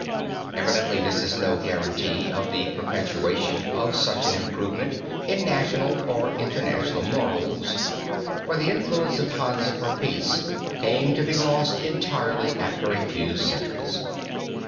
Evidently this is no guarantee of the perpetuation of such an improvement in national or international morals, for the influence of Hansa for peace came to be lost entirely, after a few centuries.